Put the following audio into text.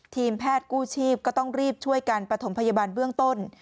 ทีมแพทย์กู้ชีพก็ต้องรีบช่วยกันประถมพยาบาลเบื้องต้น